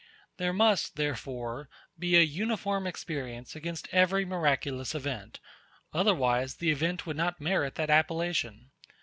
There must, therefore, be a uniform experience against every miraculous event, otherwise the event would not merit that appellation.